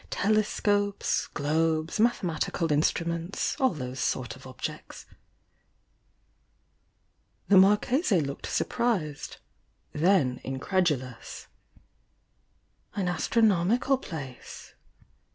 Tele scopes, globes, mathematical instruments — all those sort of objects." The Marchese looked surprised, — then incredu lous. "An astronomical place?"